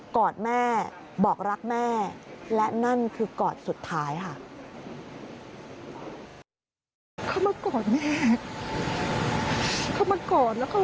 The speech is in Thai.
อดแม่บอกรักแม่และนั่นคือกอดสุดท้ายค่ะ